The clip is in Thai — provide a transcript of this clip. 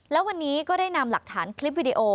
แล้ววันนี้ก็ได้นำหลักฐานคลิปวิดีโอ